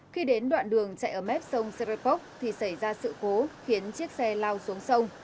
khi đến đoạn đường chạy ở mép sông serepok thì xảy ra sự cố khiến chiếc xe lao xuống sông